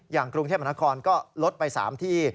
อย่างกรุงเทพมนาคอนก็ลดไป๓ที่